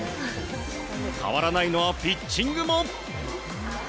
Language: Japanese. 変わらないのはピッチングも。